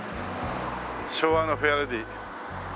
昭和のフェアレディ。